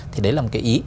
thì đấy là một cái ý